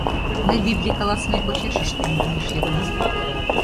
— Мый библий каласыме почеш ыштем, — манеш Йыгынат.